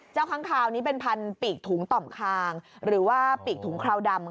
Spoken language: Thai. ค้างคาวนี้เป็นพันปีกถุงต่อมคางหรือว่าปีกถุงคราวดำ